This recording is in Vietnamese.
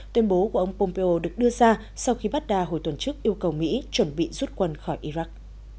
tuyên bố của ông pompeo được đưa ra sau khi baghdad hồi tuần trước yêu cầu mỹ chuẩn bị rút quân khỏi iraq